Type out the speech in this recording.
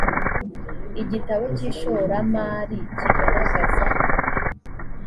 igitabo cy ishoramari kigaragaza